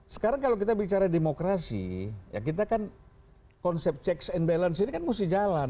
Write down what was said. sekarang kalau kita bicara demokrasi ya kita kan konsep checks and balance ini kan mesti jalan